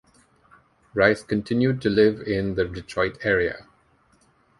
Rice continued to live in the Detroit area.